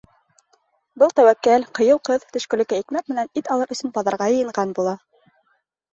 Был тәүәккәл, ҡыйыу ҡыҙ төшкөлөккә икмәк менән ит алыр өсөн баҙарға йыйынған була.